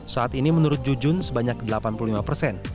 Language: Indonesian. saat ini menurut jujun sebanyak delapan puluh lima persen